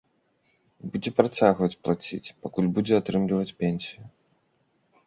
І будзе працягваць плаціць, пакуль будзе атрымліваць пенсію.